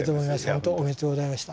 本当おめでとうございました。